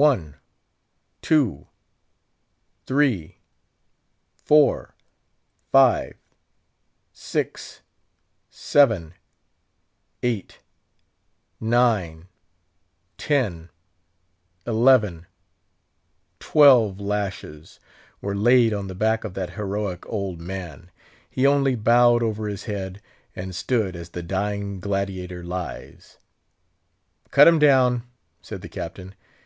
One, two, three, four, five, six, seven, eight, nine, ten, eleven, twelve lashes were laid on the back of that heroic old man. He only bowed over his head, and stood as the Dying Gladiator lies. "Cut him down," said the Captain.